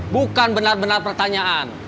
bukan benar benar pertanyaan